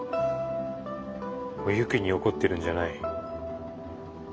お雪に怒ってるんじゃない。